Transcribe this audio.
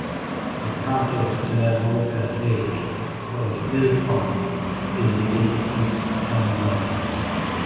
A part of Lamoka Lake, called Mill Pond is within the east town line.